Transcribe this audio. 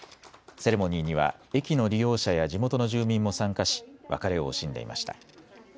セレモニーには駅の利用者や地元の住民も参加し別れを惜しんでいました。